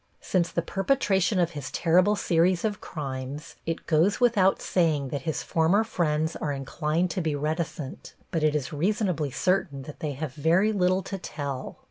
Since the perpetration of his terrible series of crimes it goes without saying that his former friends are inclined to be reticent, but it is reasonably certain that they have very little to tell.